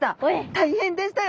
大変でしたよ